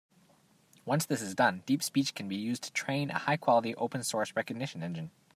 Once this is done, DeepSpeech can be used to train a high-quality open source recognition engine.